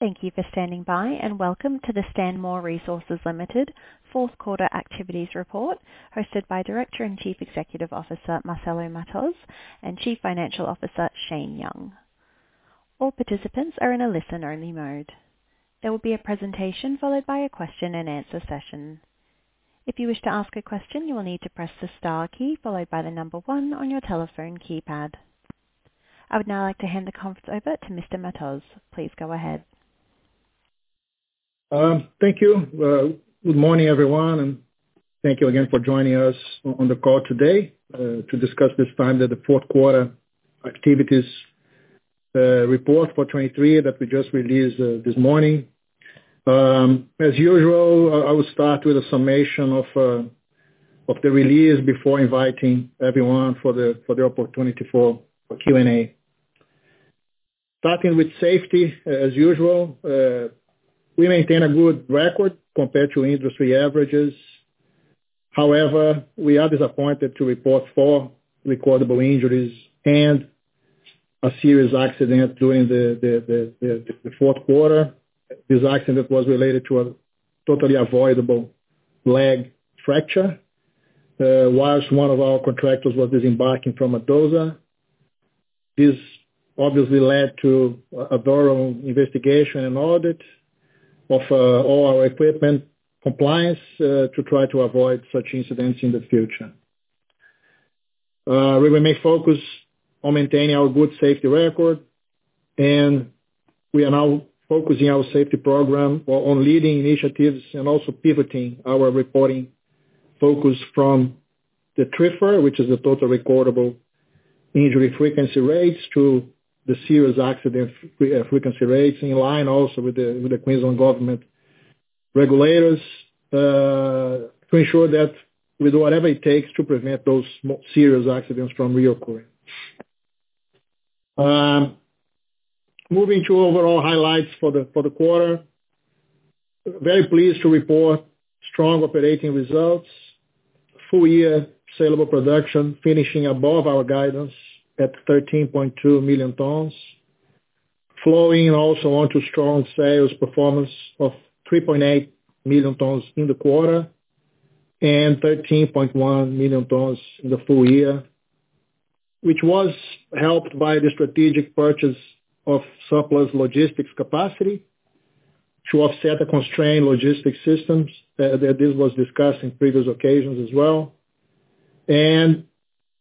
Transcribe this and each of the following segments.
Thank you for standing by, and welcome to the Stanmore Resources Limited Q4 activities report, hosted by Director and Chief Executive Officer, Marcelo Matos, and Chief Financial Officer, Shane Young. All participants are in a listen-only mode. There will be a presentation followed by a Q&A session. If you wish to ask a question, you will need to press the star key followed by the number one on your telephone keypad. I would now like to hand the conference over to Mr. Matos. Please go ahead. Thank you. Good morning, everyone, and thank you again for joining us on the call today to discuss this time the Q4 activities report for 2023 that we just released this morning. As usual, I will start with a summation of the release before inviting everyone for the opportunity for Q&A. Starting with safety, as usual, we maintain a good record compared to industry averages. However, we are disappointed to report four recordable injuries and a serious accident during the Q4. This accident was related to a totally avoidable leg fracture whilst one of our contractors was disembarking from a dozer. This obviously led to a thorough investigation and audit of all our equipment compliance to try to avoid such incidents in the future. We remain focused on maintaining our good safety record, and we are now focusing our safety program on leading initiatives and also pivoting our reporting focus from the TRIFR, which is the Total Recordable Injury Frequency Rates, to the serious accident frequency rates, in line also with the Queensland Government regulators, to ensure that we do whatever it takes to prevent those serious accidents from reoccurring. Moving to overall highlights for the quarter. Very pleased to report strong operating results, full year saleable production finishing above our guidance at 13.2 million tons, flowing also onto strong sales performance of 3.8 million tons in the quarter, and 13.1 million tons in the full year. Which was helped by the strategic purchase of surplus logistics capacity to offset the constrained logistics systems, that this was discussed in previous occasions. And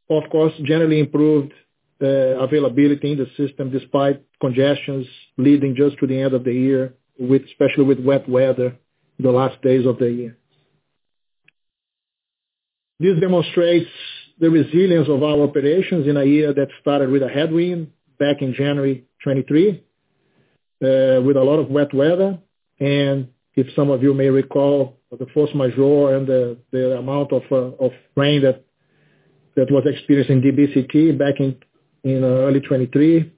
of course, generally improved availability in the system, despite congestion leading up to the end of the year, with especially with wet weather, the last days of the year. This demonstrates the resilience of our operations in a year that started with a headwind back in January 2023, with a lot of wet weather, and if some of you may recall, the force majeure and the amount of rain that was experienced in DBCT back in early 2023.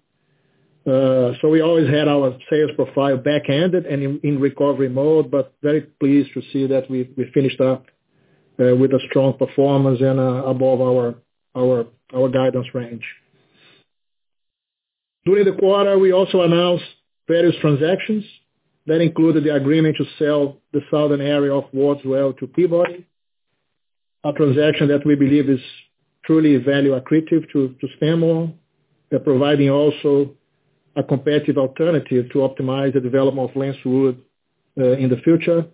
So we always had our sales profile back-loaded and in recovery mode, but very pleased to see that we finished up with a strong performance and above our guidance range. During the quarter, we also announced various transactions that included the agreement to sell the southern area of Wards Well to Peabody. A transaction that we believe is truly value accretive to Stanmore. They're providing also a competitive alternative to optimize the development of Lancewood in the future.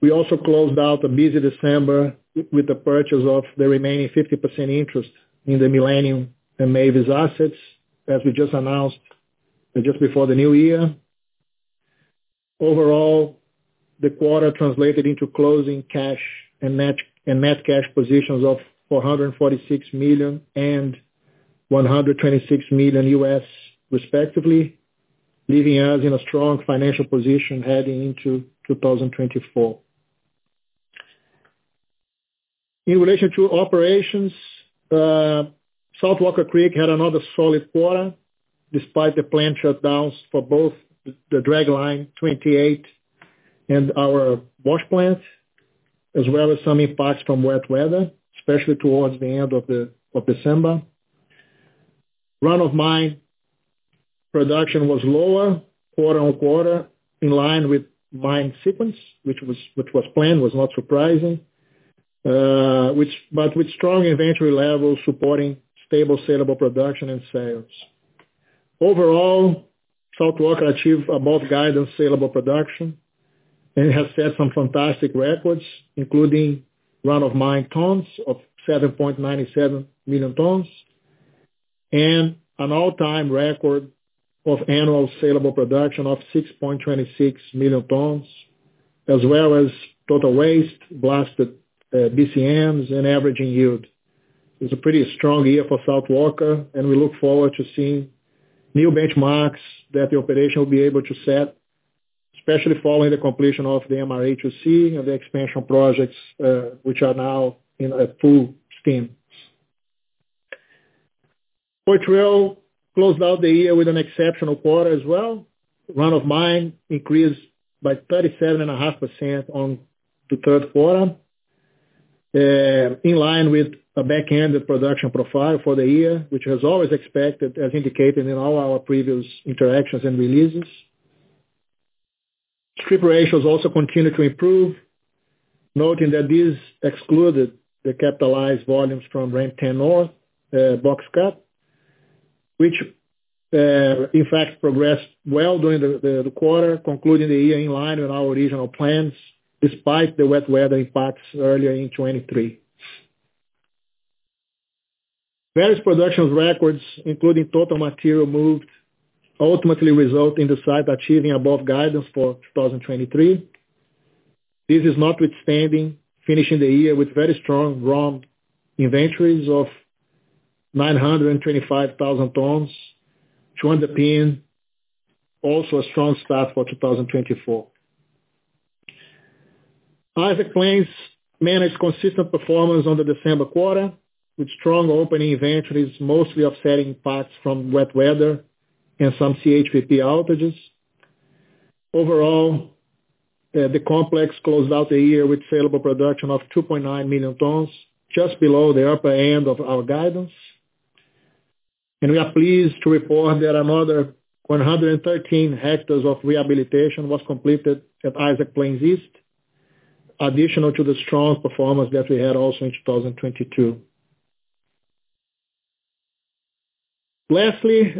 We also closed out a busy December with the purchase of the remaining 50% interest in the Millennium and Mavis assets, as we just announced just before the new year. Overall, the quarter translated into closing cash and net cash positions of $446 million and $126 million respectively, leaving us in a strong financial position heading into 2024. In relation to operations, South Walker Creek had another solid quarter, despite the plant shutdowns for both the dragline 28 and our wash plant, as some impacts from wet weather, especially towards the end of December. Run-of-mine production was lower, quarter-on-quarter, in line with mine sequence, which was planned, was not surprising. But with strong inventory levels supporting stable, salable production and sales. Overall, South Walker achieved above guidance saleable production and has set some fantastic records, including run-of-mine tons of 7.97 million tons, and an all-time record of annual saleable production of 6.26 million tons, as total waste, blasted, BCMs and averaging yield. It's a pretty strong year for South Walker, and we look forward to seeing new benchmarks that the operation will be able to set, especially following the completion of the MRHC and the expansion projects, which are now in a full steam. Poitrel closed out the year with an exceptional quarter. Run of mine increased by 37.5% on the Q3, in line with a back-ended production profile for the year, which was always expected, as indicated in all our previous interactions and releases. Strip ratios also continued to improve, noting that this excluded the capitalized volumes from Ramp 10 North, box cut, which, in fact progressed well during the quarter, concluding the year in line with our original plans, despite the wet weather impacts earlier in 2023. Various production records, including total material moved, ultimately result in the site achieving above guidance for 2023. This is notwithstanding finishing the year with very strong ROM inventories of 925,000 tons to underpin also a strong start for 2024. Isaac Plains managed consistent performance on the December quarter, with strong opening inventories mostly offsetting parts from wet weather and some CHPP outages. Overall, the complex closed out the year with saleable production of 2.9 million tons, just below the upper end of our guidance. And we are pleased to report that another 113 hectares of rehabilitation was completed at Isaac Plains East, additional to the strong performance that we had also in 2022. Lastly,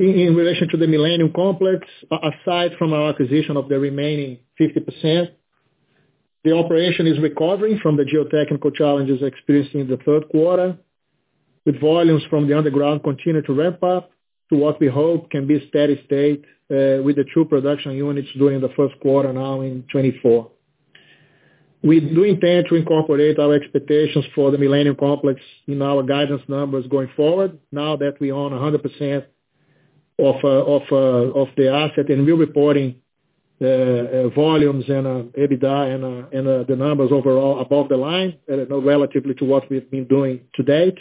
in relation to the Millennium Complex, aside from our acquisition of the remaining 50%, the operation is recovering from the geotechnical challenges experienced in the Q3, with volumes from the underground continue to ramp up to what we hope can be steady state, with the 2 production units during the Q1 now in 2024. We do intend to incorporate our expectations for the Millennium Complex in our guidance numbers going forward, now that we own 100% of the asset, and we're reporting volumes and EBITDA and the numbers overall above the line, relatively to what we've been doing to date.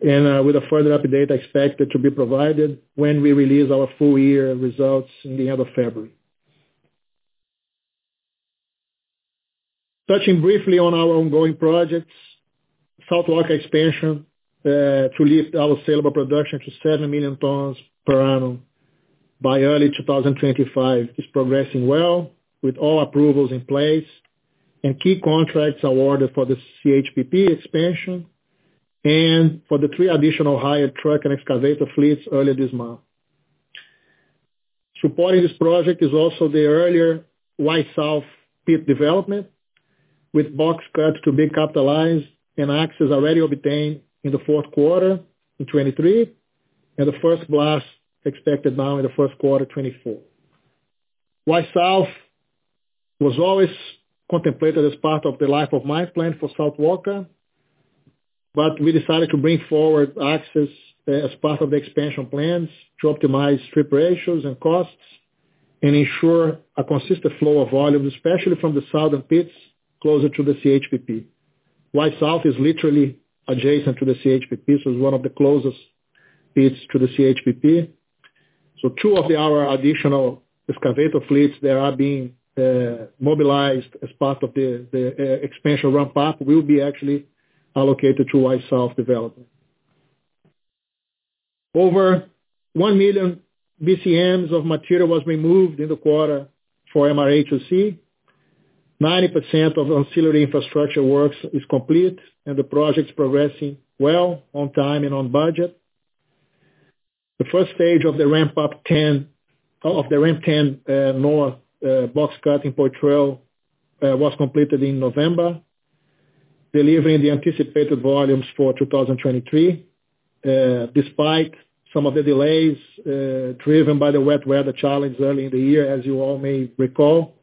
With a further update expected to be provided when we release our full year results in the end of February. Touching briefly on our ongoing projects, South Walker expansion, to lift our saleable production to 7 million tons per annum by early 2025, is progressing well, with all approvals in place, and key contracts awarded for the CHPP expansion and for the 3 additional hire truck and excavator fleets earlier this month. Supporting this project is also the earlier Y South pit development, with box cuts to be capitalized and access already obtained in the Q4 in 2023, and the first blast expected now in the Q1 2024. Y South was always contemplated as part of the life of mine plan for South Walker, but we decided to bring forward access, as part of the expansion plans to optimize strip ratios and costs and ensure a consistent flow of volumes, especially from the southern pits, closer to the CHPP. Y South is literally adjacent to the CHPP, so it's one of the closest pits to the CHPP. So two of our additional excavator fleets that are being mobilized as part of the expansion ramp up will be actually allocated to Y South development. Over 1 million BCMs of material was removed in the quarter for MRHC. 90% of ancillary infrastructure works is complete, and the project's progressing well, on time and on budget. The first stage of the Ramp 10 North box cut at Poitrel was completed in November, delivering the anticipated volumes for 2023, despite some of the delays driven by the wet weather challenges early in the year, as you all may recall.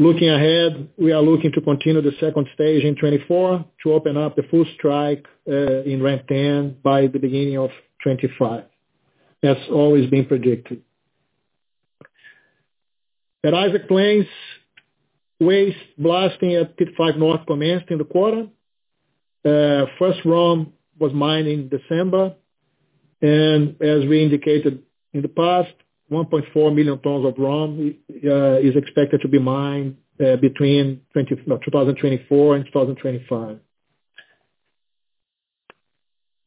Looking ahead, we are looking to continue the second stage in 2024 to open up the full strike in Ramp 10 by the beginning of 2025, as always been predicted. At Isaac Plains, waste blasting at Pit 5 North commenced in the quarter. First ROM was mined in December, and as we indicated in the past, 1.4 million tons of ROM is expected to be mined between 2024 and 2025.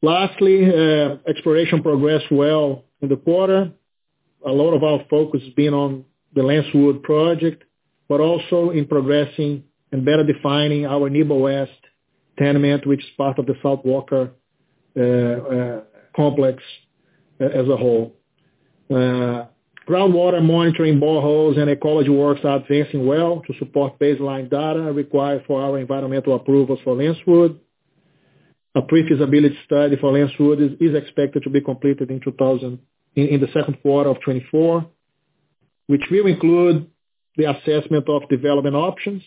Lastly, exploration progressed well in the quarter. A lot of our focus has been on the Lancewood project, but also in progressing and better defining our Nebo West tenement, which is part of the South Walker complex as a whole. Groundwater monitoring boreholes and ecology works are advancing well to support baseline data required for our environmental approvals for Lancewood. A pre-feasibility study for Lancewood is expected to be completed in the Q2 of 2024, which will include the assessment of development options,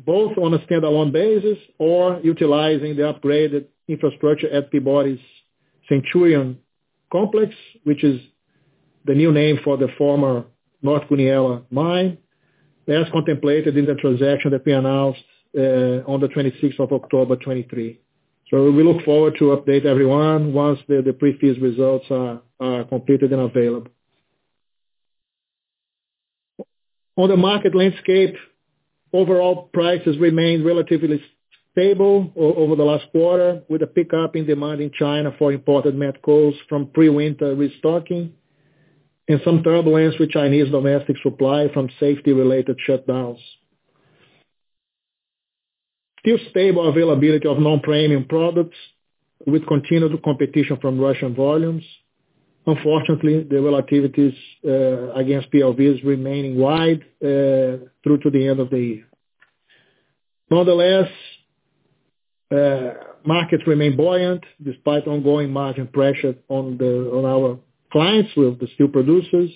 both on a standalone basis or utilizing the upgraded infrastructure at Peabody's Centurion Complex, which is the new name for the former North Goonyella mine, as contemplated in the transaction that we announced on the 26th of October, 2023. So we look forward to update everyone once the pre-feas results are completed and available. On the market landscape, overall prices remained relatively stable over the last quarter, with a pickup in demand in China for imported met coals from pre-winter restocking and some turbulence with Chinese domestic supply from safety-related shutdowns. Still stable availability of non-premium products with continued competition from Russian volumes. Unfortunately, the relativities against PLVs remaining wide through to the end of the year. Nonetheless, markets remain buoyant despite ongoing margin pressure on our clients, with the steel producers.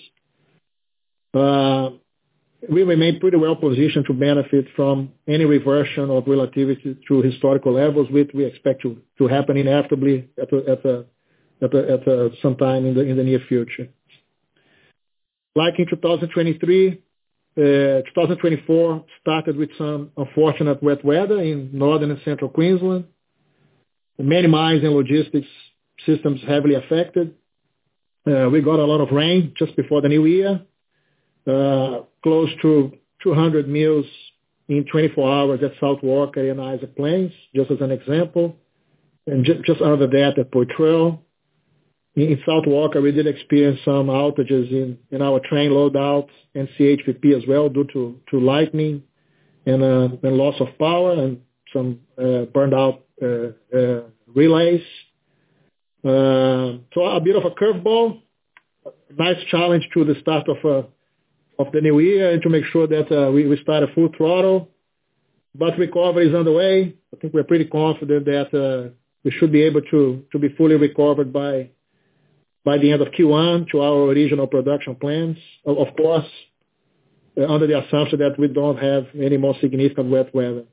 We remain pretty well positioned to benefit from any reversion of relativity to historical levels, which we expect to happen inevitably at some time in the near future. Like in 2023, 2024 started with some unfortunate wet weather in northern and central Queensland. Many mines and logistics systems heavily affected. We got a lot of rain just before the new year, close to 200 mm in 24 hours at South Walker and Isaac Plains, just as an example, and just under that at Poitrel. In South Walker, we did experience some outages in our train loadouts and CHPP, due to lightning and loss of power and some burned out relays. So a bit of a curveball. Nice challenge to the start of the new year and to make sure that we start a full throttle, but recovery is on the way. I think we're pretty confident that we should be able to be fully recovered by the end of Q1 to our original production plans. Of course, under the assumption that we don't have any more significant wet weather.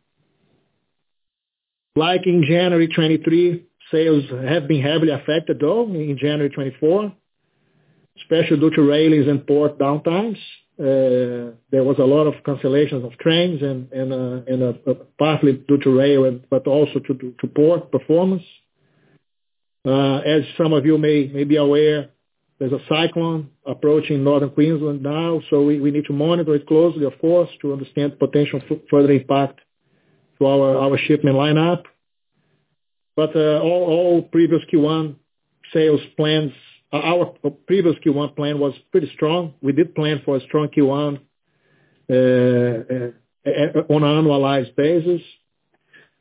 Like in January 2023, sales have been heavily affected, though, in January 2024, especially due to railways and port downtimes. There was a lot of cancellations of trains and partly due to railway, but also to port performance. As some of you may be aware, there's a cyclone approaching northern Queensland now, so we need to monitor it closely, of course, to understand potential further impact to our shipment lineup. But all previous Q1 sales plans, our previous Q1 plan was pretty strong. We did plan for a strong Q1 on an annualized basis.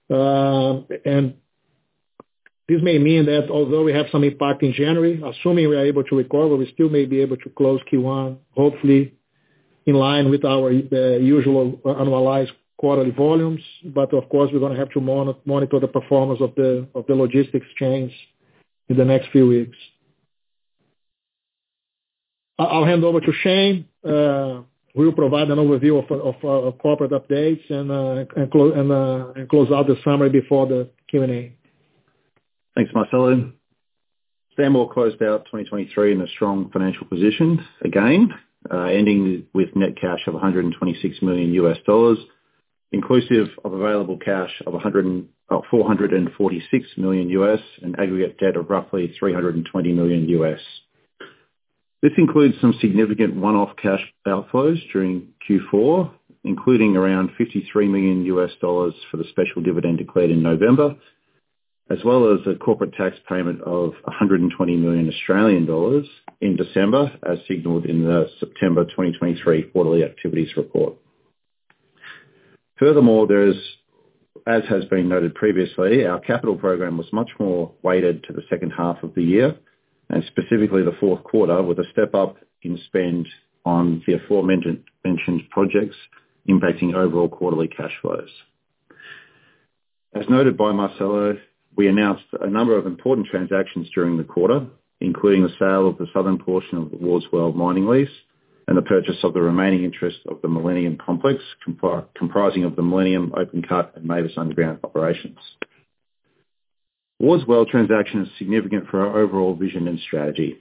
And this may mean that although we have some impact in January, assuming we are able to recover, we still may be able to close Q1, hopefully in line with our usual annualized quarterly volumes. But of course, we're gonna have to monitor the performance of the logistics change in the next few weeks. I'll hand over to Shane. We'll provide an overview of corporate updates and close out the summary before the Q&A. Thanks, Marcelo. Stanmore closed out 2023 in a strong financial position again, ending with net cash of $126 million, inclusive of available cash of $446 million, and aggregate debt of roughly $320 million. This includes some significant one-off cash outflows during Q4, including around $53 million for the special dividend declared in November, as a corporate tax payment of 120 million Australian dollars in December, as signaled in the September 2023 quarterly activities report. Furthermore, as has been noted previously, our capital program was much more weighted to the H2 of the year, and specifically the Q4, with a step-up in spend on the aforementioned, mentioned projects impacting overall quarterly cash flows. As noted by Marcelo, we announced a number of important transactions during the quarter, including the sale of the southern portion of the Wards Well mining lease and the purchase of the remaining interest of the Millennium Complex, comprising of the Millennium open cut and Mavis underground operations. Wards Well transaction is significant for our overall vision and strategy.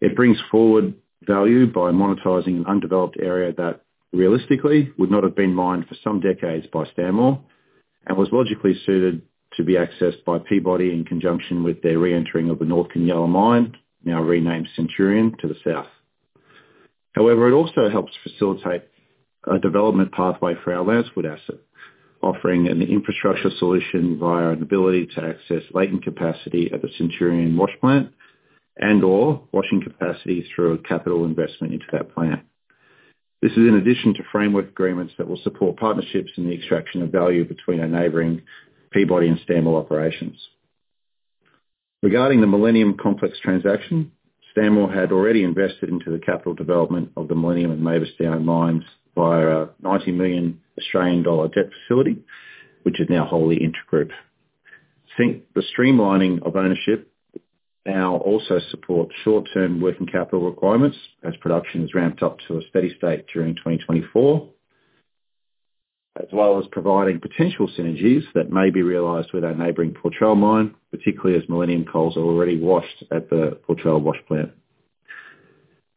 It brings forward value by monetizing an undeveloped area that realistically would not have been mined for some decades by Stanmore, and was logically suited to be accessed by Peabody in conjunction with their re-entering of the North Goonyella mine, now renamed Centurion, to the south. However, it also helps facilitate a development pathway for our Lancewood asset, offering an infrastructure solution via an ability to access latent capacity at the Centurion wash plant and/or washing capacity through a capital investment into that plant. This is in addition to framework agreements that will support partnerships in the extraction of value between our neighboring Peabody and Stanmore operations. Regarding the Millennium Complex transaction, Stanmore had already invested into the capital development of the Millennium and Mavis Downs mines via a 90 million Australian dollar debt facility, which is now wholly intergroup. Think the streamlining of ownership now also supports short-term working capital requirements as production is ramped up to a steady state during 2024, as providing potential synergies that may be realized with our neighboring Poitrel mine, particularly as Millennium coals are already washed at the Poitrel wash plant.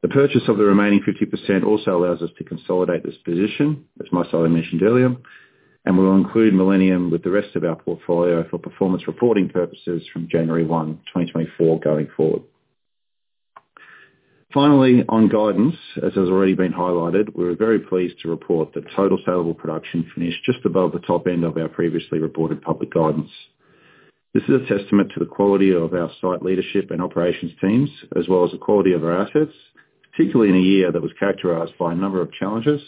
The purchase of the remaining 50% also allows us to consolidate this position, as Marcelo mentioned earlier. And we will include Millennium with the rest of our portfolio for performance reporting purposes from January 1, 2024, going forward. Finally, on guidance, as has already been highlighted, we're very pleased to report that total saleable production finished just above the top end of our previously reported public guidance. This is a testament to the quality of our site leadership and operations teams, as the quality of our assets, particularly in a year that was characterized by a number of challenges,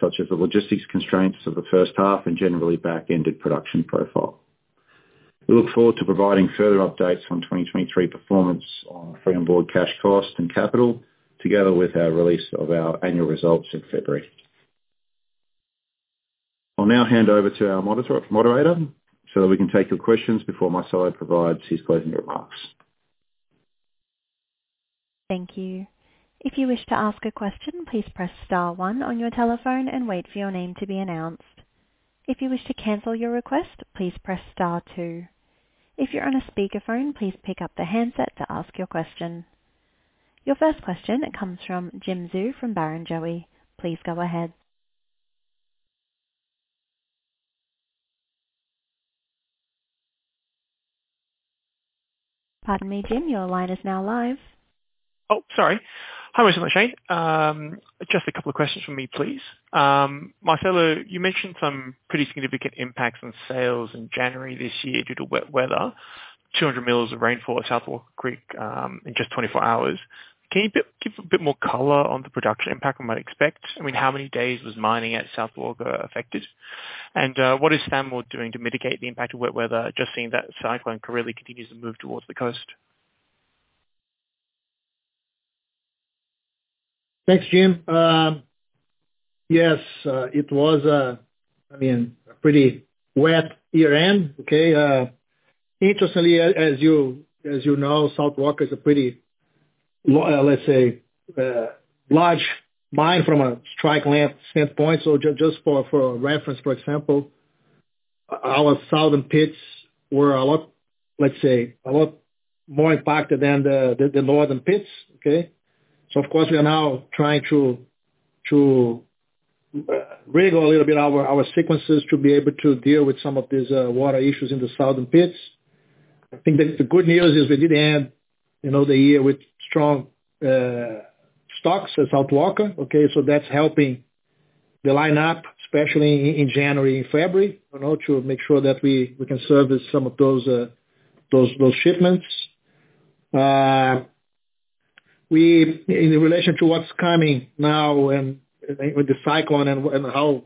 such as the logistics constraints of the H1 and generally back-ended production profile. We look forward to providing further updates on 2023 performance on free-on-board cash cost and capital, together with our release of our annual results in February. I'll now hand over to our moderator so that we can take your questions before Marcelo provides his closing remarks. Thank you. If you wish to ask a question, please press star one on your telephone and wait for your name to be announced. If you wish to cancel your request, please press star two. If you're on a speakerphone, please pick up the handset to ask your question. Your first question comes from Jim Zhu from Barrenjoey. Please go ahead. Pardon me, Jim, your line is now live. Sorry. Hi, Marcelo, Shane. Just a couple of questions from me, please. Marcelo, you mentioned some pretty significant impacts on sales in January this year due to wet weather, 200 mm of rainfall at South Walker Creek, in just 24 hours. Can you give, give a bit more color on the production impact we might expect? I mean, how many days was mining at South Walker affected? And, what is Stanmore doing to mitigate the impact of wet weather, just seeing that cyclone currently continues to move towards the coast. Thanks, Jim. Yes, it was, I mean, a pretty wet year-end, okay? Interestingly, as you, as you know, South Walker is a pretty, let's say, large mine from a strike length standpoint. So just for, for a reference, for example, our southern pits were a lot, let's say, a lot more impacted than the northern pits, okay? So of course, we are now trying to, to, rig a little bit our, our sequences to be able to deal with some of these water issues in the southern pits. I think the good news is we did end, you know, the year with strong stocks at South Walker, okay? So that's helping the line up, especially in January and February, in order to make sure that we, we can service some of those shipments. In relation to what's coming now and with the cyclone and how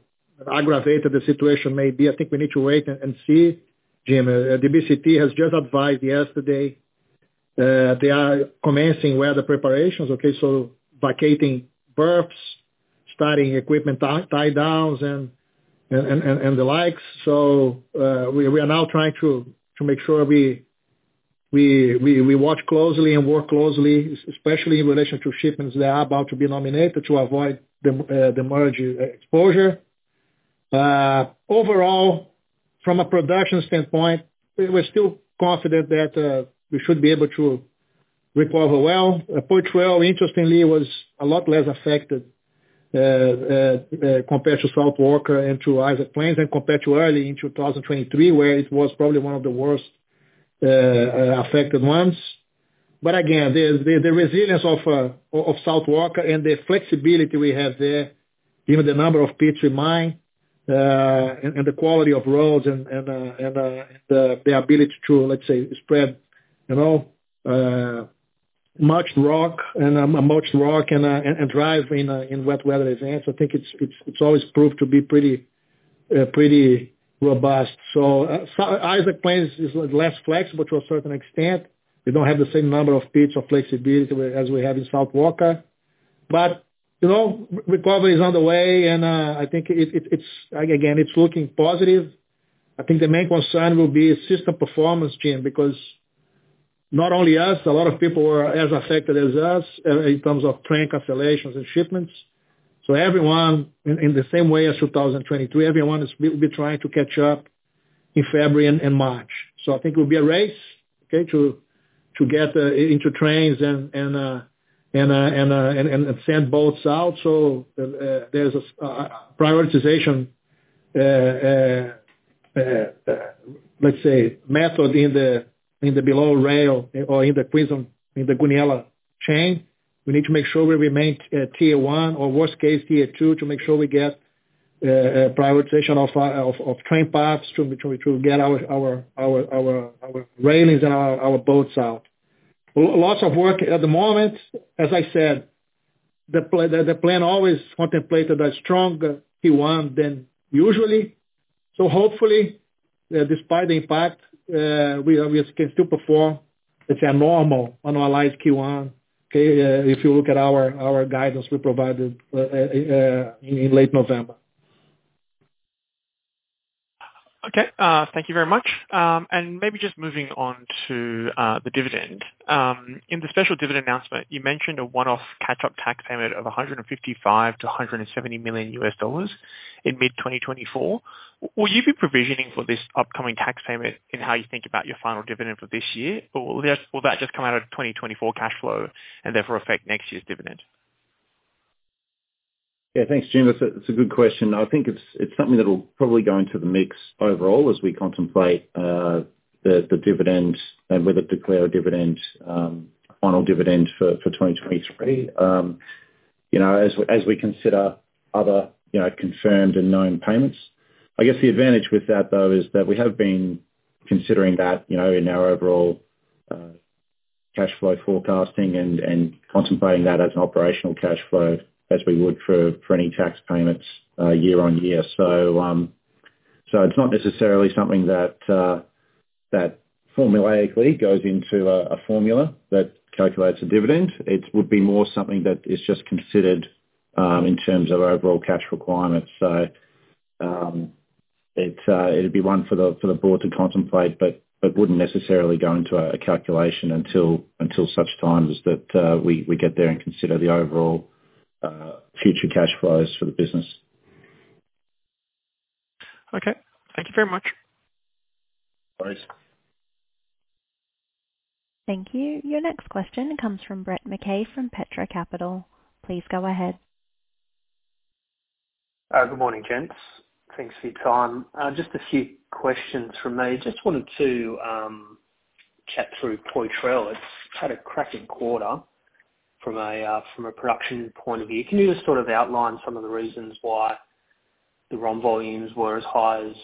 aggravated the situation may be, I think we need to wait and see, Jim. DBCT has just advised yesterday they are commencing weather preparations, okay? So vacating berths, starting equipment tie-downs and the likes. So, we are now trying to make sure we watch closely and work closely, especially in relation to shipments that are about to be nominated to avoid the surge exposure. Overall, from a production standpoint, we're still confident that we should be able to recover well. Wards Well, interestingly, was a lot less affected compared to South Walker and to Isaac Plains, and compared to early in 2023, where it was probably one of the worst affected ones. But again, the resilience of South Walker and the flexibility we have there, given the number of pits in mine, and the quality of roads and the ability to, let's say, spread, you know, much rock and much rock and drive in wet weather is enhanced. I think it's always proved to be pretty robust. So Isaac Plains is less flexible to a certain extent. We don't have the same number of pits or flexibility as we have in South Walker, but, you know, recovery is on the way, and I think it's looking positive. I think the main concern will be system performance, Jim, because not only us, a lot of people were as affected as us in terms of train cancellations and shipments. So everyone in the same way as 2023, everyone will be trying to catch up in February and March. So I think it will be a race, okay, to get into trains and send boats out. So there's a prioritization, let's say, method in the below rail or in the precinct, in the Goonyella chain. We need to make sure we remain tier one, or worst case tier two, to make sure we get prioritization of train paths to get our railways and our boats out. Lots of work at the moment. As I said, the plan always contemplated a strong Q1 than usually. So hopefully, despite the impact, we can still perform, let's say, a normal annualized Q1, okay, if you look at our guidance we provided in late November. Okay, thank you very much. Maybe just moving on to the dividend. In the special dividend announcement, you mentioned a one-off catch-up tax payment of $155 million-$170 million in mid-2024. Will you be provisioning for this upcoming tax payment in how you think about your final dividend for this year? Or will that just come out of 2024 cash flow and therefore affect next year's dividend? Thanks, Jim. That's a, that's a good question. I think it's, it's something that'll probably go into the mix overall as we contemplate the dividend and whether to declare a dividend, final dividend for 2023. You know, as we consider other, you know, confirmed and known payments. I guess the advantage with that though is that we have been considering that, you know, in our overall cash flow forecasting and contemplating that as an operational cash flow as we would for any tax payments year on year. So, so it's not necessarily something that formulaically goes into a formula that calculates a dividend. It would be more something that is just considered in terms of overall cash requirements. So, it's, it'll be one for the board to contemplate, but it wouldn't necessarily go into a calculation until such time as that we get there and consider the overall future cash flows for the business. Okay. Thank you very much. Thanks. Thank you. Your next question comes from Brett McKay, from Petra Capital. Please go ahead. Good morning, gents. Thanks for your time. Just a few questions from me. Just wanted to chat through Poitrel. It's had a cracking quarter from a production point of view. Can you just outline some of the reasons why the ROM volumes were as high as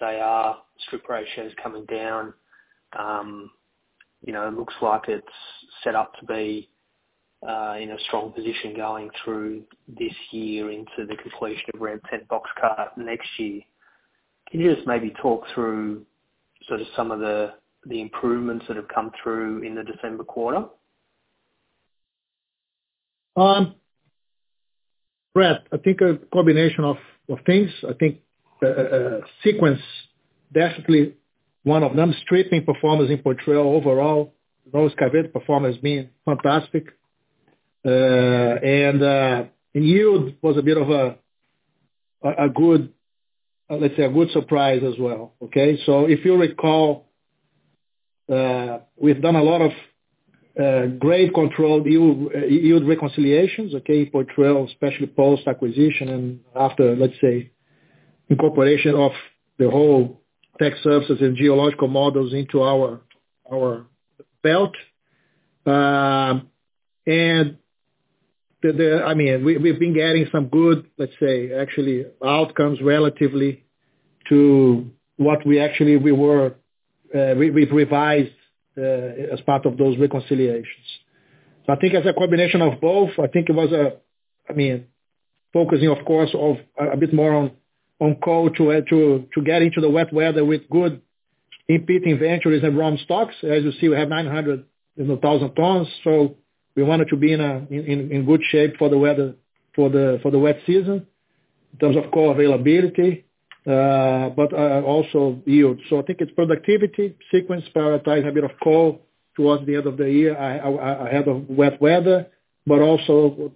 they are? Strip ratios coming down, you know, it looks like it's set up to be in a strong position going through this year into the completion of Ramp 10 box cut next year. Can you just maybe talk through some of the improvements that have come through in the December quarter? Brett, I think a combination of things. I think sequence definitely one of them, stripping performance in Poitrel overall, those performance being fantastic. And yield was a bit of a good, let's say, a good surprise as well. Okay. So if you recall, we've done a lot of grade control yield reconciliations, okay, Poitrel, especially post-acquisition, and after, let's say, incorporation of the whole tech services and geological models into our belt. And the—I mean, we've been getting some good, let's say, actually, outcomes relatively to what we actually were, we've revised as part of those reconciliations. I think as a combination of both, I think it was a, I mean, focusing, of course, of a, a bit more on, on coal to get into the wet weather with good in-pit inventories and ROM stocks. As you see, we have 900-1,000 tons, so we wanted to be in a good shape for the weather, for the wet season in terms of coal availability, but also yield. So I think it's productivity, sequence, prioritize a bit of coal towards the end of the year, ahead of wet weather, but also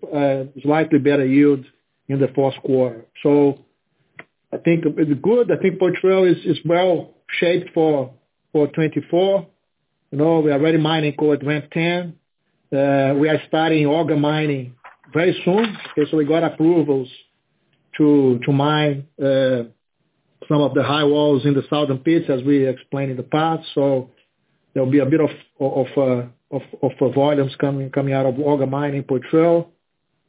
slightly better yields in the Q4. So I think it's good. I think Poitrel is well shaped for 2024. You know, we are already mining coal at Ramp 10. We are starting auger mining very soon. Actually, we got approvals to mine some of the high walls in the southern pits, as we explained in the past. So there'll be a bit of volumes coming out of auger mining Poitrel.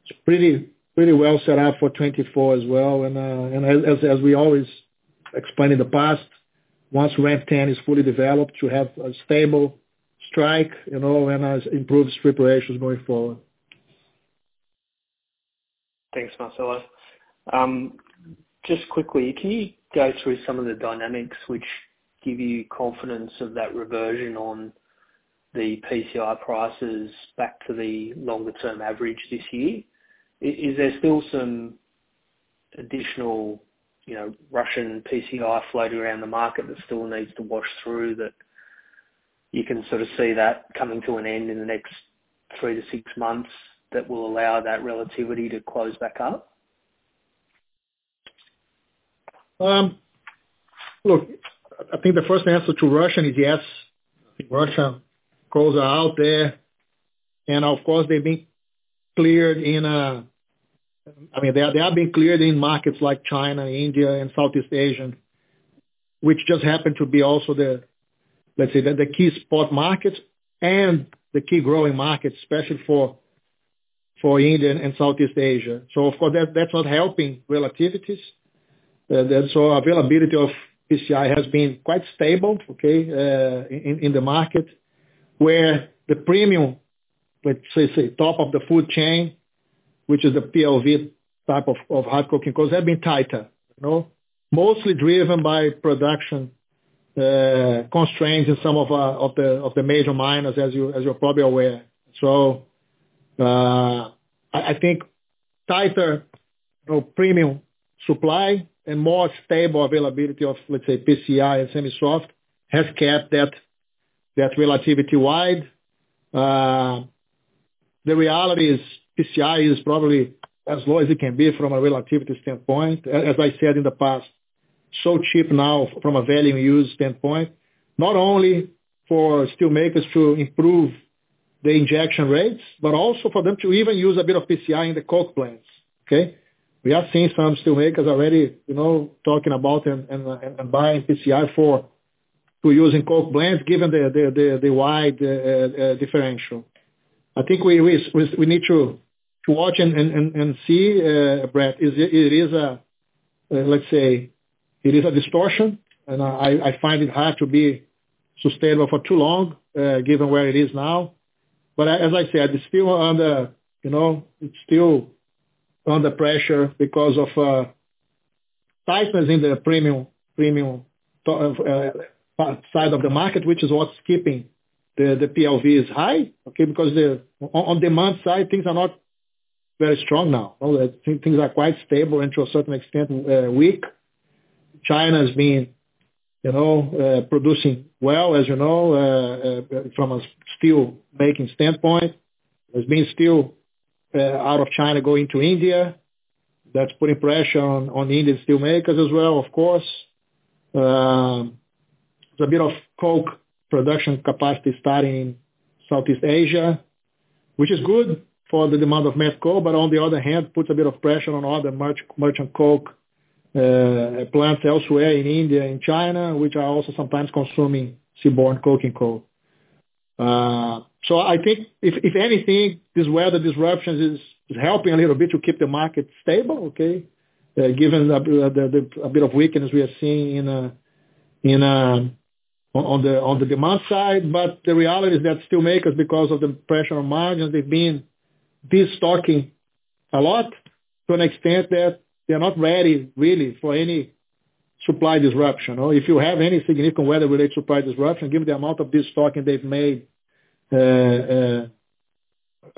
It's pretty well set up for 2024. And as we always explained in the past, once Ramp 10 is fully developed, you have a stable strike, you know, and as improved strip ratios going forward. Thanks, Marcelo. Just quickly, can you go through some of the dynamics which give you confidence of that reversion on the PCI prices back to the longer term average this year? Is there still some additional, you know, Russian PCI floating around the market that still needs to wash through, that you can see that coming to an end in the next three to six months, that will allow that relativity to close back up? Look, I think the first answer to Russian is yes. Russian coals are out there, and of course, they're being cleared in, I mean, they have been cleared in markets like China, India and Southeast Asia, which just happened to be also the, let's say, the key spot markets and the key growing markets, especially for India and Southeast Asia. So of course, that's not helping relativities. Then, so availability of PCI has been quite stable, okay, in the market, where the premium, let's say, top of the food chain, which is a PLV type of hard coking coal, have been tighter, you know, mostly driven by production constraints in some of the major miners, as you're probably aware. So, I think tighter, you know, premium supply and more stable availability of, let's say, PCI and semi-soft, has kept that relativity wide. The reality is, PCI is probably as low as it can be from a relativity standpoint. As I said in the past, so cheap now from a value use standpoint, not only for steel makers to improve the injection rates, but also for them to even use a bit of PCI in the coke plants, okay? We have seen some steel makers already, you know, talking about and buying PCI for to use in coke plants, given the wide differential. I think we need to watch and see, Brett, it is a, let's say, it is a distortion, and I find it hard to be sustainable for too long, given where it is now. But as I said, it's still under, you know, it's still under pressure because of tightness in the premium side of the market, which is what's keeping the PLVs high, okay? Because on the demand side, things are not very strong now. Things are quite stable and to a certain extent weak. China's been, you know, producing well, as you know, from a steelmaking standpoint. There's been steel out of China going to India. That's putting pressure on the Indian steel makers, of course. There's a bit of coke production capacity starting in Southeast Asia, which is good for the demand of met coal, but on the other hand, puts a bit of pressure on all the merchant coke plants elsewhere in India and China, which are also sometimes consuming seaborne coking coal. So I think if anything, this weather disruptions is helping a little bit to keep the market stable, okay? Given a bit of weakness we are seeing in on the demand side, but the reality is that steel makers, because of the pressure on margins, they've been destocking a lot, to an extent that they're not ready really for any supply disruption, or if you have any significant weather-related supply disruption, given the amount of destocking they've made in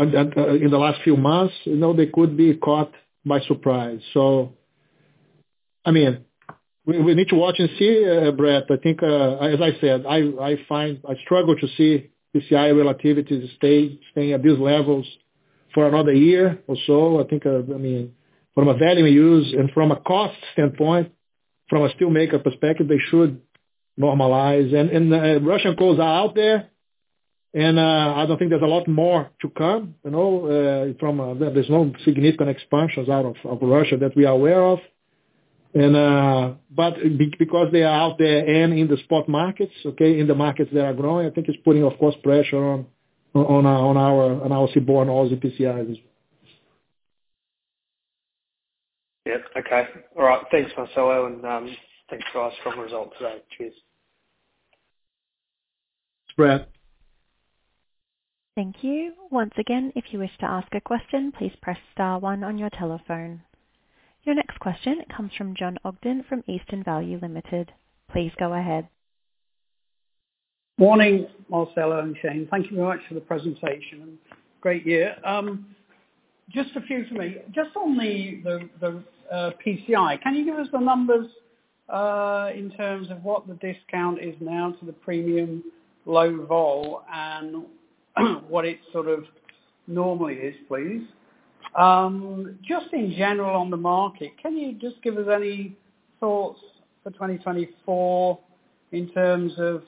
the last few months, you know, they could be caught by surprise. So, I mean, we need to watch and see, Brett. I think, as I said, I find I struggle to see PCI relativities stay, staying at these levels for another year or so. I think, I mean, from a value use and from a cost standpoint, from a steel maker perspective, they should normalize. Russian coals are out there, and I don't think there's a lot more to come, you know, from, there's no significant expansions out of, of Russia that we are aware of. And, but because they are out there and in the spot markets, okay, in the markets that are growing, I think it's putting, of course, pressure on our seaborne, all the PCIs. Okay. All right, thanks, Marcelo, and thanks for our strong results today. Cheers. Brett? Thank you. Once again, if you wish to ask a question, please press star one on your telephone. Your next question comes from Jon Ogden from Eastern Value Limited. Please go ahead. Morning, Marcelo and Shane. Thank you very much for the presentation. Great year. Just a few for me. Just on the PCI, can you give us the numbers in terms of what the discount is now to the premium low-vol, and what it normally is, please? Just in general, on the market, can you just give us any thoughts for 2024 in terms of,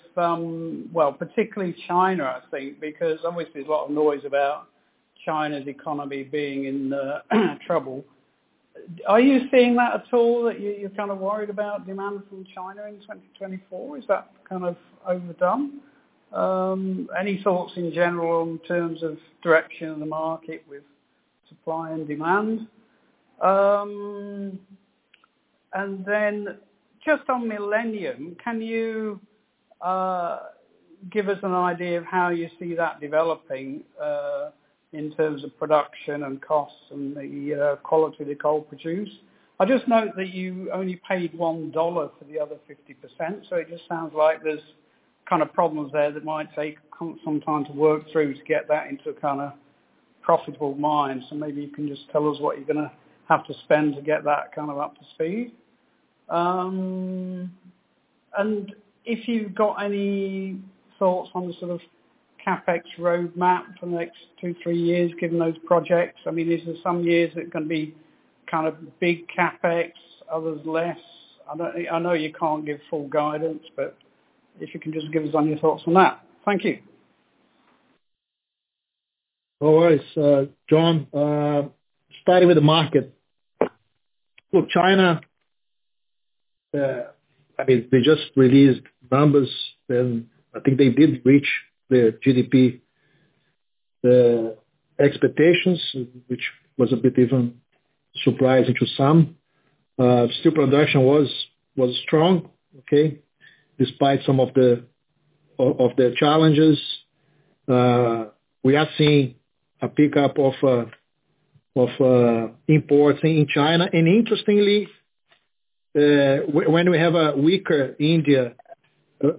particularly China, I think, because obviously there's a lot of noise about China's economy being in trouble. Are you seeing that at all, that you're worried about demand from China in 2024? Is that overdone? Any thoughts in general in terms of direction of the market with supply and demand? And then just on Millennium, can you give us an idea of how you see that developing in terms of production and costs and the quality of the coal produced? I just note that you only paid 1 dollar for the other 50%, so it just sounds like there's problems there that might take some time to work through to get that into a profitable mine. So maybe you can just tell us what you're gonna have to spend to get that up to speed. And if you've got any thoughts on the CapEx roadmap for the next 2, 3 years, given those projects. I mean, these are some years that are gonna be big CapEx, others less. I know you can't give full guidance, but if you can just give us on your thoughts on that. Thank you. No worries, Jon. Starting with the market. Look, China, I mean, they just released numbers, and I think they did reach their GDP expectations, which was a bit even surprising to some. Steel production was strong, okay, despite some of the challenges. We are seeing a pickup of importing in China. And interestingly, when we have a weaker India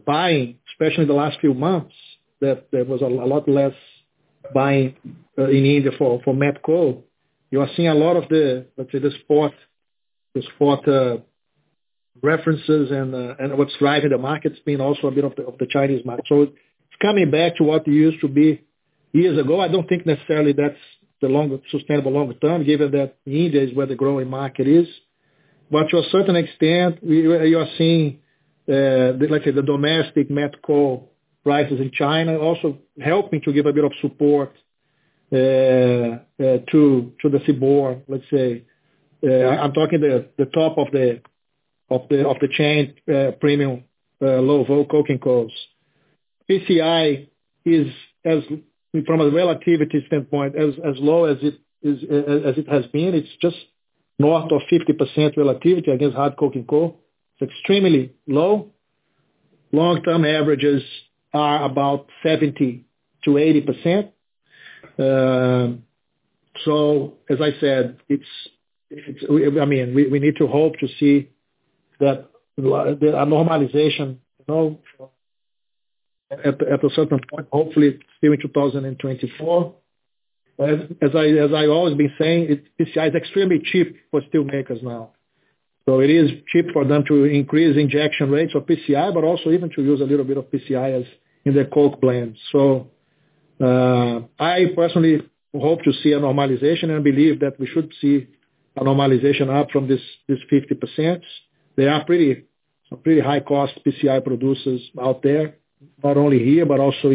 buying, especially in the last few months, that there was a lot less buying in India for met coal. You are seeing a lot of the, let's say, the spot references and what's driving the market's been also a bit of the Chinese market. So it's coming back to what used to be years ago. I don't think necessarily that's the long, sustainable longer term, given that India is where the growing market is. But to a certain extent, you are seeing, like the domestic met coal prices in China also helping to give a bit of support, to the seaborne, let's say. I'm talking the top of the chain, premium low vol coking coals. PCI is, from a relativity standpoint, as low as it is, as it has been. It's just north of 50% relativity against hard coking coal. It's extremely low. Long-term averages are about 70%-80%. So as I said, it's - I mean, we need to hope to see that normalization, you know, at a certain point, hopefully during 2024. But as I always been saying, PCI is extremely cheap for steelmakers now. So it is cheap for them to increase injection rates of PCI, but also even to use a little bit of PCI as in their coke plans. So I personally hope to see a normalization and believe that we should see a normalization up from this 50%. There are some pretty high cost PCI producers out there, not only here, but also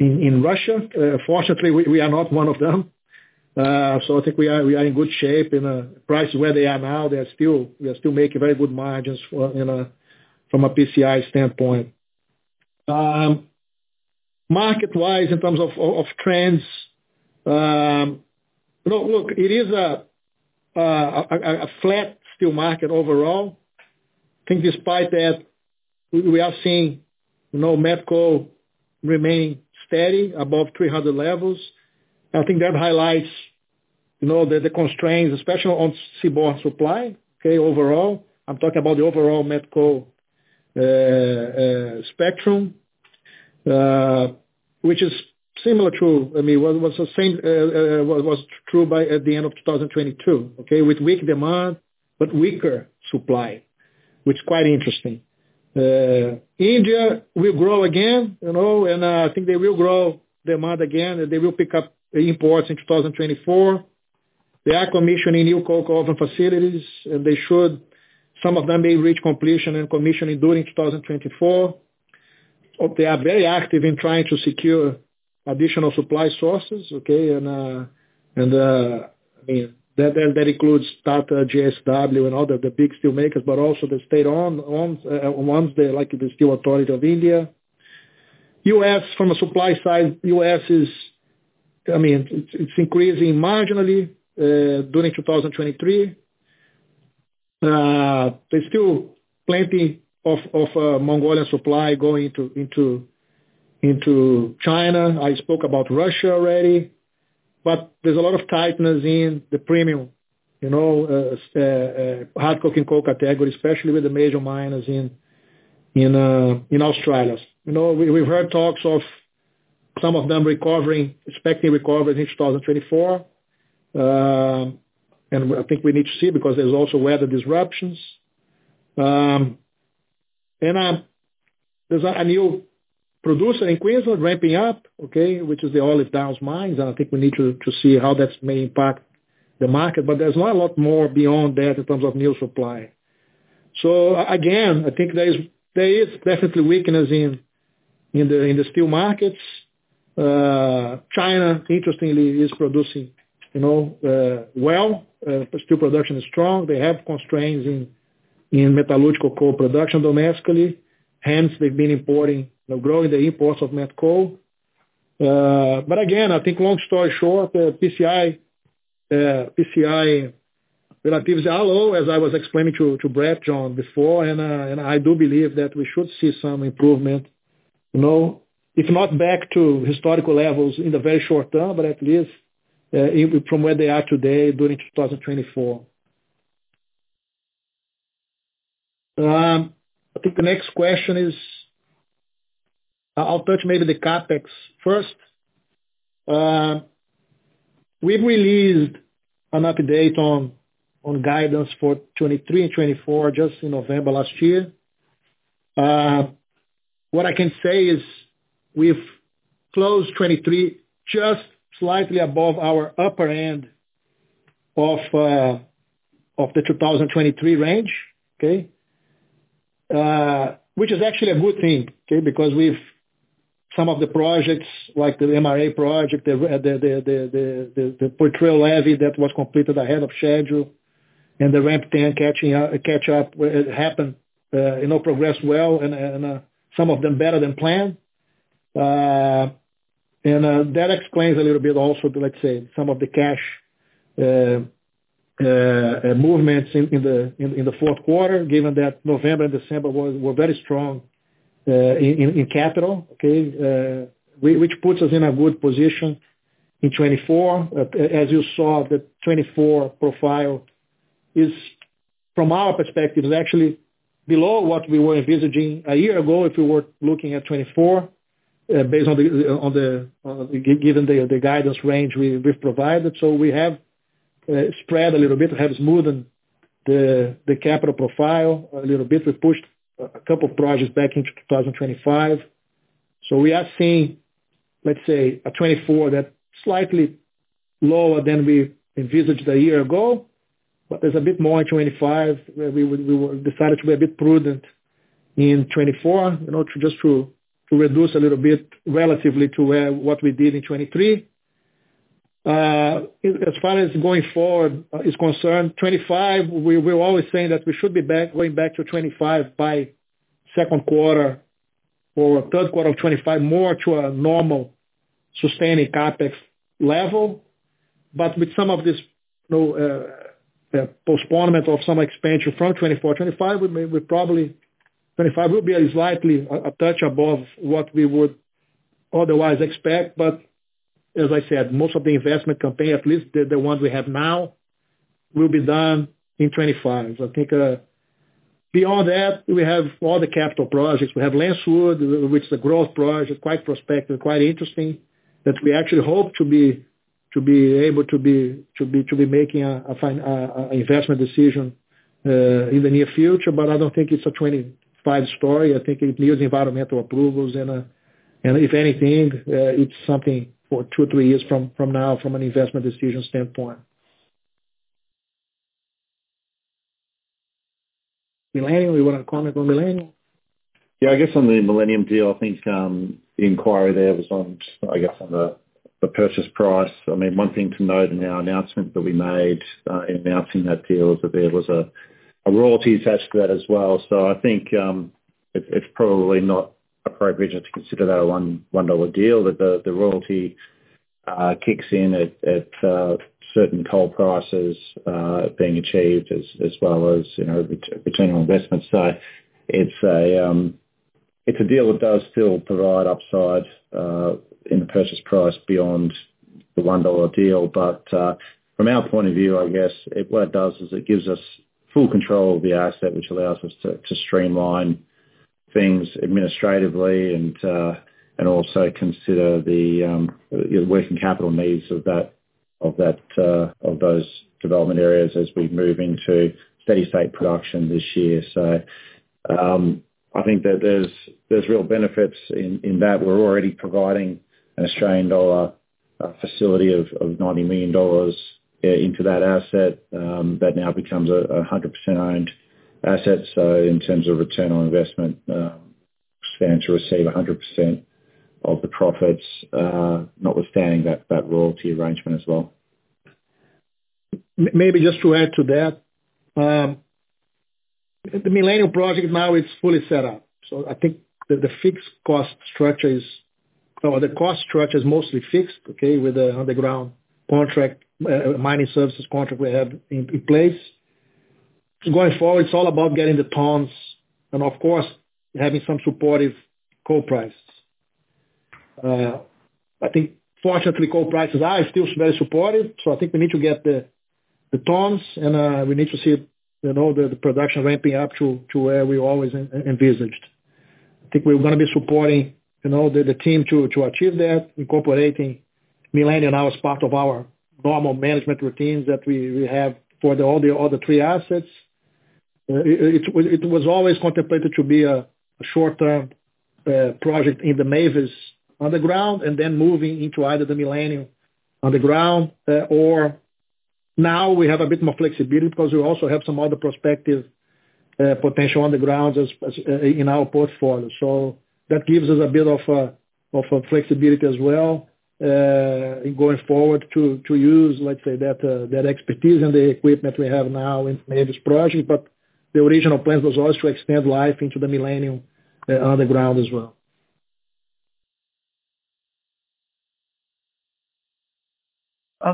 in Russia. Fortunately, we are not one of them. So I think we are in good shape, and prices where they are now, they're still we are still making very good margins for, you know, from a PCI standpoint. Market-wise, in terms of trends, no, look, it is a flat steel market overall. I think despite that, we are seeing, you know, met coal remain steady above $300 levels. I think that highlights, you know, the constraints, especially on seaborne supply, okay, overall. I'm talking about the overall met coal spectrum, which is similar to, I mean, what was true at the end of 2022, okay? With weak demand, but weaker supply, which is quite interesting. India will grow again, you know, and I think they will grow demand again, and they will pick up imports in 2024. They are commissioning new coke oven facilities, and they should. Some of them may reach completion and commissioning during 2024. They are very active in trying to secure additional supply sources, okay? And, I mean, that includes Tata, JSW and other, the big steelmakers, but also the state-owned ones, like the Steel Authority of India. U.S., from a supply side, U.S. is, I mean, it's increasing marginally during 2023. There's still plenty of Mongolian supply going into China. I spoke about Russia already, but there's a lot of tightness in the premium hard coking coal category, especially with the major miners in Australia. You know, we've heard talks of some of them recovering, expecting recovery in 2024. And I think we need to see, because there's also weather disruptions. And, there's a new producer in Queensland ramping up, okay, which is the Olive Downs mines, and I think we need to see how that may impact the market. But there's not a lot more beyond that in terms of new supply. So again, I think there is definitely weakness in the steel markets. China, interestingly, is producing, you know, well. Steel production is strong. They have constraints in metallurgical coal production domestically, hence they've been importing, growing the imports of met coal. But again, I think long story short, PCI relativities are low, as I was explaining to Brett, Jon, before, and I do believe that we should see some improvement. You know, if not back to historical levels in the very short term, but at least from where they are today during 2024. I think the next question is. I'll touch maybe the CapEx first. We've released an update on guidance for 2023 and 2024, just in November last year. What I can say is we've closed 2023 just slightly above our upper end of the 2023 range, okay? Which is actually a good thing, okay? Because we've. Some of the projects, like the MRA project, the Poitrel level that was completed ahead of schedule, and the Ramp 10 catching up happened, you know, progressed well and some of them better than planned. And that explains a little bit also to, let's say, some of the cash movements in the Q4, given that November and December was, were very strong in capital, okay? Which puts us in a good position in 2024. As you saw, the 2024 profile is, from our perspective, is actually below what we were envisaging a year ago if we were looking at 2024, based on the given the guidance range we've provided. So we have spread a little bit, have smoothened the capital profile a little bit. We pushed a couple projects back into 2025. So we are seeing, let's say, a 24 that's slightly lower than we envisaged a year ago, but there's a bit more in 25, where we would- we decided to be a bit prudent in 2024, you know, to just to, to reduce a little bit relatively to where, what we did in 2023. As far as going forward is concerned, 25, we're always saying that we should be back, going back to 25 by Q2 or Q3 of 2025, more to a normal Sustaining CapEx level. But with some of this, you know, postponement of some expansion from 2024, 2025, we may, we probably. 25 will be a slightly, a touch above what we would otherwise expect, but as I said, most of the investment campaign, at least the, the ones we have now, will be done in 2025. I think, beyond that, we have all the capital projects. We have Lancewood, which is a growth project, quite prospective, quite interesting, that we actually hope to be able to be making an investment decision in the near future. But I don't think it's a 25 story. I think it needs environmental approvals, and if anything, it's something for 2-3 years from now, from an investment decision standpoint. Millennium, you wanna comment on Millennium? I guess on the Millennium deal, I think the inquiry there was on the purchase price. I mean, one thing to note in our announcement that we made in announcing that deal, that there was a royalty attached to that. So I think it's probably not appropriate to consider that a $1 deal. That the royalty kicks in at certain coal prices being achieved, as, you know, return on investment. So it's a deal that does still provide upside in the purchase price beyond the $1 deal. But from our point of view, I guess, what it does is it gives us full control of the asset, which allows us to streamline things administratively and also consider the, you know, working capital needs of that, of those development areas as we move into steady state production this year. So I think that there's real benefits in that. We're already providing an Australian dollar facility of 90 million dollars into that asset, that now becomes a 100% owned asset. So in terms of return on investment, stand to receive 100% of the profits, notwithstanding that royalty arrangement. Maybe just to add to that, the Millennium project now is fully set up. So I think the fixed cost structure is or the cost structure is mostly fixed, okay, with the underground contract, mining services contract we have in place. Going forward, it's all about getting the tons and of course, having some supportive coal prices. I think fortunately, coal prices are still very supported, so I think we need to get the tons, and we need to see, you know, the production ramping up to where we always envisaged. I think we're gonna be supporting, you know, the team to achieve that, incorporating Millennium now as part of our normal management routines that we have for all the three assets. It was always contemplated to be a short-term project in the Mavis underground, and then moving into either the Millennium underground, or now we have a bit more flexibility because we also have some other prospective potential undergrounds as in our portfolio. So that gives us a bit of flexibility in going forward to use, let's say, that expertise and the equipment we have now in Mavis project. But the original plan was always to extend life into the Millennium underground.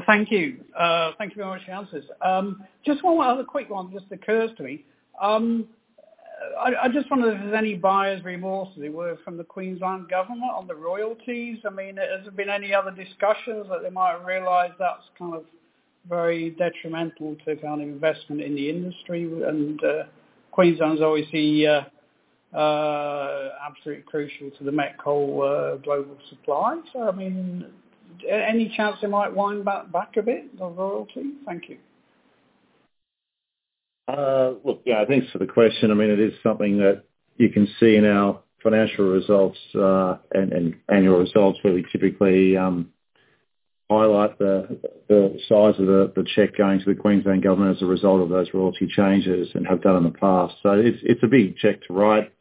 Thank you. Thank you very much for the answers. Just one other quick one just occurs to me. I just wonder if there's any buyer's remorse, as it were, from the Queensland Government on the royalties? I mean, has there been any other discussions that they might have realized that's very detrimental to further investment in the industry? And Queensland is obviously absolutely crucial to the met coal global supply. So I mean, any chance they might wind back a bit on royalties? Thank you. Look, thanks for the question. I mean, it is something that you can see in our financial results and annual results, where we typically highlight the size of the check going to the Queensland Government as a result of those royalty changes, and have done in the past. So it's a big check to write.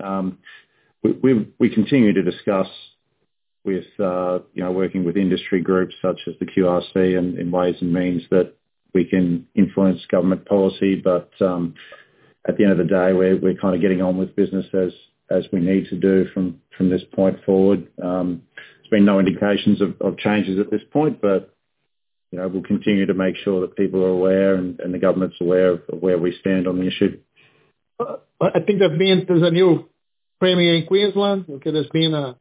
We continue to discuss with you know, working with industry groups such as the QRC in ways and means that we can influence government policy. But at the end of the day, we're getting on with business as we need to do from this point forward. There's been no indications of changes at this point, but, you know, we'll continue to make sure that people are aware, and the government's aware of where we stand on the issue. I think there's a new premier in Queensland. There's been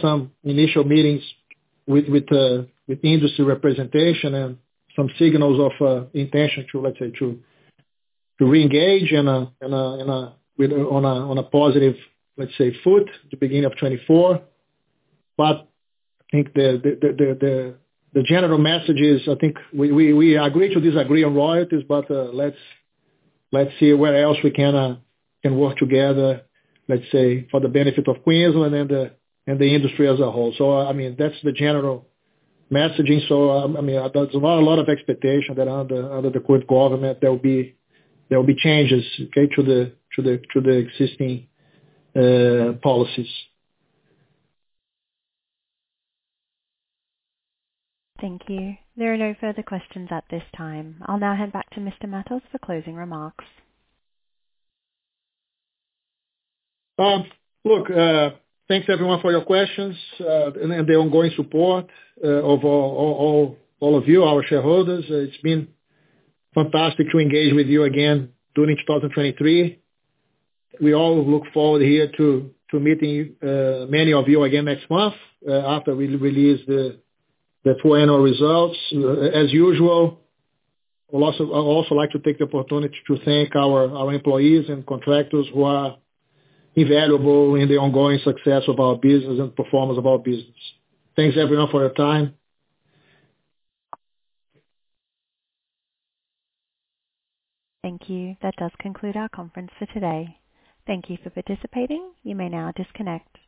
some initial meetings with industry representation and some signals of intention to reengage on a positive foot at the beginning of 2024. But I think the general message is, I think we agree to disagree on royalties, but let's see where else we can work together for the benefit of Queensland and the industry as a whole. So I mean, that's the general messaging. So, I mean, there's not a lot of expectation that under the current government, there will be changes to the existing policies. Thank you. There are no further questions at this time. I'll now hand back to Mr. Matos for closing remarks. Thanks everyone for your questions, and the ongoing support of all of you, our shareholders. It's been fantastic to engage with you again during 2023. We all look forward here to meeting many of you again next month, after we release the full annual results. As usual, I'd also like to take the opportunity to thank our employees and contractors who are invaluable in the ongoing success of our business and performance of our business. Thanks everyone for your time. Thank you. That does conclude our conference for today. Thank you for participating. You may now disconnect.